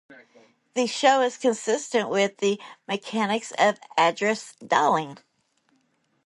The show is consistent with the mechanics of address-dialing.